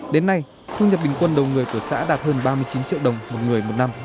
đến nay thu nhập bình quân đầu người của xã đạt hơn ba mươi chín triệu đồng một người một năm